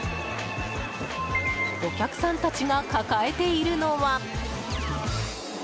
お客さんたちが抱えているのは。